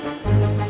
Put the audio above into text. ustaz lu sana bencana